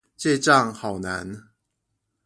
記帳好難